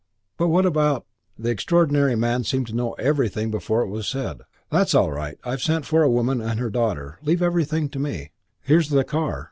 "But what about " The extraordinary man seemed to know everything before it was said. "That's all right. I've sent for a woman and her daughter. Leave everything to me. Here's the car.